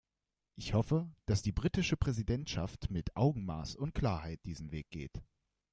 Ich hoffe, dass die britische Präsidentschaft mit Augenmaß und Klarheit diesen Weg geht.